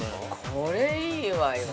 ◆これ、いいわよ。